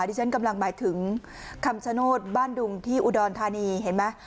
ที่ฉันกำลังหมายถึงคำชโนธบ้านดุงที่อุดรธานีเห็นไหม